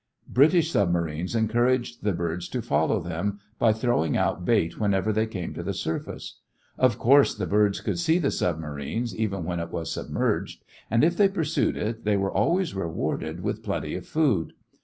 British submarines encouraged the birds to follow them, by throwing out bait whenever they came to the surface. Of course the birds could see the submarine even when it was submerged, and if they pursued it, they were always rewarded with plenty of food.